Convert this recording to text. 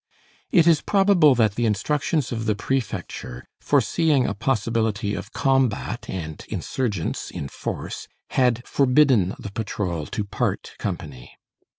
It is probable that the instructions of the prefecture, foreseeing a possibility of combat and insurgents in force, had forbidden the patrol to part company.